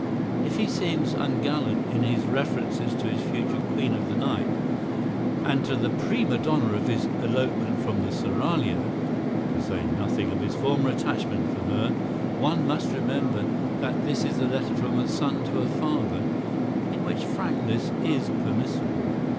If he seems ungallant in his references to his future Queen of the Night and to the prima donna of his "Elopement from the Seraglio," to say nothing of his former attachment for her, one must remember that this is a letter from a son to a father, in which frankness is permissible.